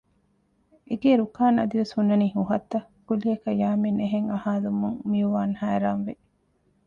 އެގޭ ރުކާން އަދިވެސް ހުންނަނީ ހުހަށްތަ؟ ކުއްލިއަކަށް ޔާމިން އެހެން އަހާލުމުން މިއުވާން ހައިރާންވި